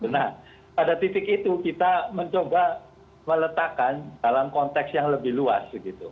nah pada titik itu kita mencoba meletakkan dalam konteks yang lebih luas